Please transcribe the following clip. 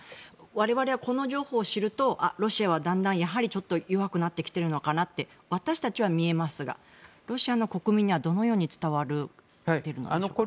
我々はこの情報を知るとロシアはだんだんやはり、ちょっと弱くなってきているのかなって私たちは見えますがロシアの国民にはどのように伝わっているんでしょうか。